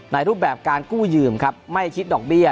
รูปแบบการกู้ยืมครับไม่คิดดอกเบี้ย